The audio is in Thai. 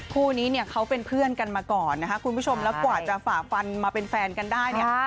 คู่นี้เนี่ยเขาเป็นเพื่อนกันมาก่อนนะคะคุณผู้ชมแล้วกว่าจะฝ่าฟันมาเป็นแฟนกันได้เนี่ย